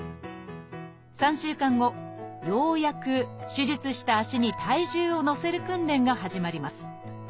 ３週間後ようやく手術した足に体重をのせる訓練が始まります。